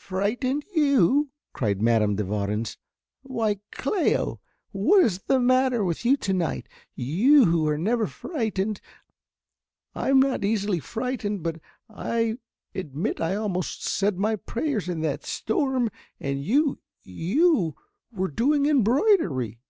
"Frightened you," cried Madame de Warens, "why, Cléo, what is the matter with you to night? You who are never frightened. I'm not easily frightened, but I admit I almost said my prayers in that storm, and you, you were doing embroidery."